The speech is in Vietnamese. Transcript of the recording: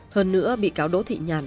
hơn nữa bị cáo đỗ thị nhàn